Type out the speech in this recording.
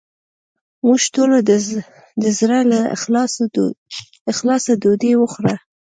موږ ټولو د زړه له اخلاصه ډوډې وخوړه